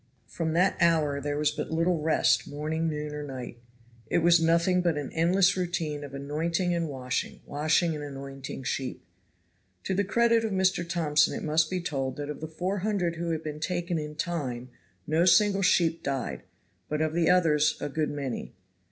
From that hour there was but little rest morning, noon or night. It was nothing but an endless routine of anointing and washing, washing and anointing sheep. To the credit of Mr. Thompson it must be told that of the four hundred who had been taken in time no single sheep died; but of the others a good many.